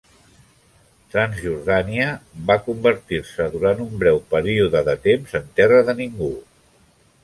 Transjordània va convertir-se durant un breu període de temps en terra de ningú.